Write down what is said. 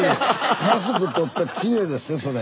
マスク取ったらきれいでっせそれ。